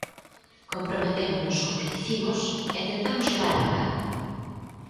Comprometémonos co que dicimos e tentamos levalo a cabo.